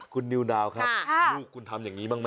คุณนิวกัมนี่ก็ทำอย่างนี้บ้างละ